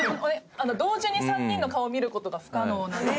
同時に３人の顔見ることが不可能なので。